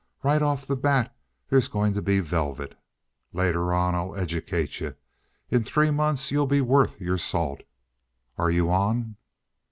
Right off the bat there's going to be velvet. Later on I'll educate you. In three months you'll be worth your salt. Are you on?"